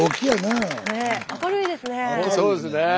明るいですねえ。